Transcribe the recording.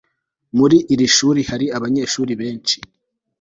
muri iri shuri hari abanyeshuri benshi